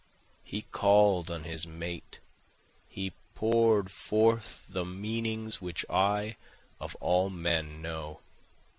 He call'd on his mate, He pour'd forth the meanings which I of all men know.